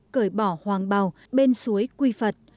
cởi bỏ hoàng bào bên suối quy phật